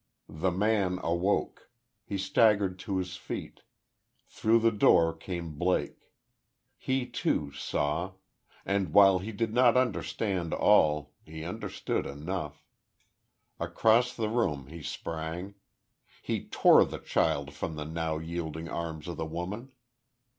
The man awoke. He staggered to his feet.... Through the door came Blake. He, too, saw; and while he did not understand all, he understood enough. Across the room he sprang. He tore the child from the now yielding arms of the woman!